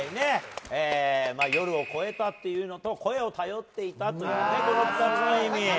夜を越えたというのと声を頼っていたというこの２つの意味。